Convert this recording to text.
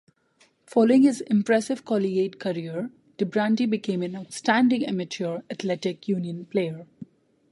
Following his impressive collegiate career, DeBernardi became an outstanding Amateur Athletic Union player.